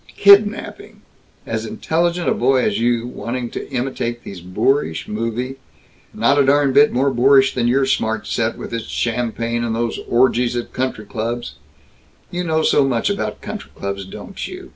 Kidnapping! As intelligent a boy as you wanting to imitate these boorish movie " "Not a darn bit more boorish than your smart set, with its champagne and these orgies at country clubs " "You know so much about country clubs, don't you!